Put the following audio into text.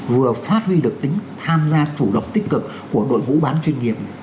vừa phát huy được tính tham gia chủ động tích cực của đội ngũ bán chuyên nghiệp